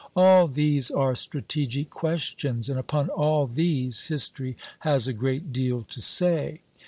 All these are strategic questions, and upon all these history has a great deal to say.